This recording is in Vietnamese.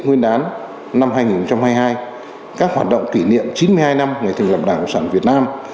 nguyên đán năm hai nghìn hai mươi hai các hoạt động kỷ niệm chín mươi hai năm ngày thành lập đảng cộng sản việt nam